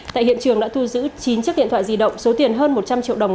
tại hiện trường đã thu giữ chín chiếc điện thoại di động số tiền hơn một trăm linh triệu đồng